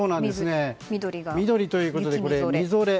緑ということで、みぞれ。